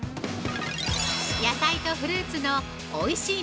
◆野菜とフルーツのおいしい